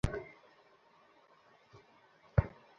হেই, তার ছবিটা জুম কর।